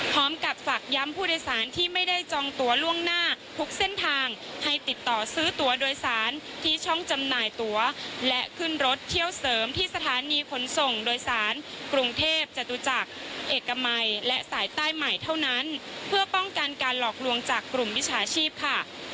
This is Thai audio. พร้อมกับฝากย้ำผู้โดยสารที่ไม่ได้จองตัวล่วงหน้าทุกเส้นทางให้ติดต่อซื้อตัวโดยสารที่ช่องจำหน่ายตัวและขึ้นรถเที่ยวเสริมที่สถานีขนส่งโดยสารกรุงเทพจตุจักรเอกมัยและสายใต้ใหม่เท่านั้นเพื่อป้องกันการหลอกลวงจากกลุ่มวิชาชีพค่ะ